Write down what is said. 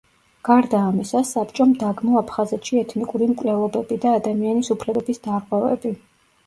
გარდა ამისა, საბჭომ დაგმო აფხაზეთში ეთნიკური მკვლელობები და ადამიანის უფლებების დარღვევები.